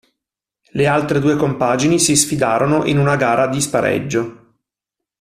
Le altre due compagini si sfidarono in una gara di spareggio.